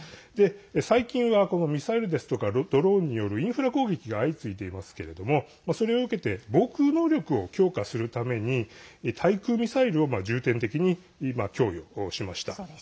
最近はミサイルですとかドローンによるインフラ攻撃が相次いでいますけれどもそれを受けて防空能力を強化するために対空ミサイルを重点的に供与しました。